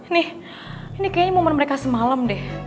nih ini kayaknya momen mereka semalam deh